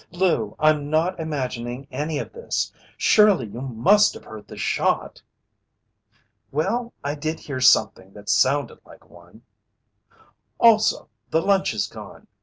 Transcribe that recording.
Lou, I'm not imagining any of this! Surely you must have heard the shot?" "Well, I did hear something that sounded like one." "Also, the lunch is gone.